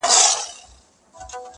د کيسې دردناک اثر لا هم ذهن کي پاتې